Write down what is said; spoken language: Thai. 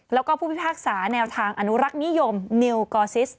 แล้วก็ผู้พิพากษาแนวทางอนุรักษ์นิยมนิวกอซิส